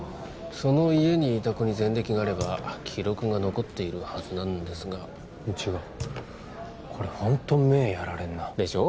その家にいた子に前歴があれば記録が残っているはずなんですが違うこれホント目やられるなでしょ？